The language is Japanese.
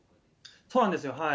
そうなんですよ。